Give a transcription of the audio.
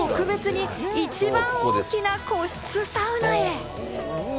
今回は特別に一番大きな個室サウナへ。